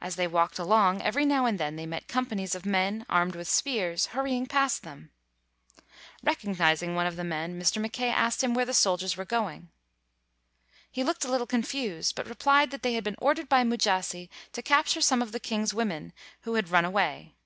As they walked along, every 205 WHITE MAN OF WORK now and then they met companies of men, armed with spears, hurrying past them. Becognizing one of the men, Mr. Mackay asked him where the soldiers were going. He looked a little confused but replied that they had been ordered by Mujasi to capture some of the king's women who had run away.